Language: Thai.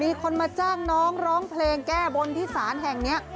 มีคนมาจ้างน้องร้องเพลงแก้บนที่ศาลแห่งนี้